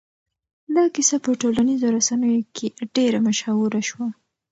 دا کيسه په ټولنيزو رسنيو کې ډېره مشهوره شوه.